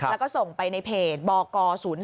แล้วก็ส่งไปในเพจบก๐๔